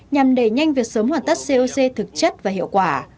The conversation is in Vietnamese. nhằm đẩy nhanh việc sớm hoàn tất coc thực chất và hiệu quả